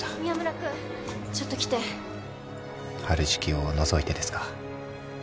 君ちょっと来てある時期を除いてですが。